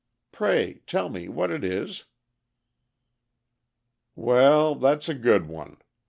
Pray tell me what it is?" "Well, that's a good one.